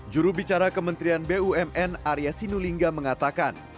jurubicara kementerian bumn arya sinulinga mengatakan